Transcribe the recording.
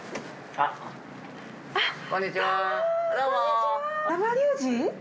あぁこんにちは。